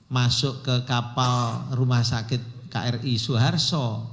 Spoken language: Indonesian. masuk ke kapal rumah sakit kri suharto